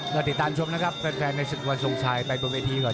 เราติดตามชมนะครับแฟนใน๑๐วันส่งชายไปตรงเวทีก่อน